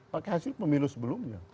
pakai hasil pemilu sebelumnya